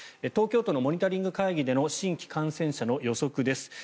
東京都のモニタリング会議での新規感染者の予測です。